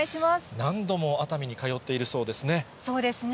何度も熱海に通っているそうそうですね。